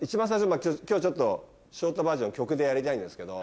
今日はちょっとショートバージョン曲でやりたいんですけど。